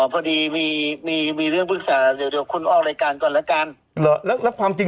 อ๋อพอดีมีเรื่องปรึกษาเดี๋ยวคุณออกรายการก่อนแล้วกัน